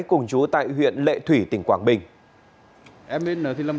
cùng chú tại huyện lệ thủy tỉnh quảng bình